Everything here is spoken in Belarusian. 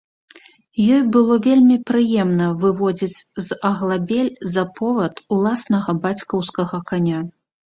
Ёй было вельмі прыемна выводзіць з аглабель за повад уласнага бацькаўскага каня.